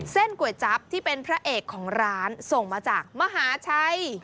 ก๋วยจั๊บที่เป็นพระเอกของร้านส่งมาจากมหาชัย